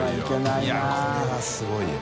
いこれはすごいよ。